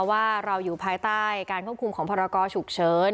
ว่าเราอยู่ภายใต้การควบคุมของพรกรฉุกเฉิน